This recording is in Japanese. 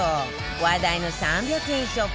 話題の３００円ショップ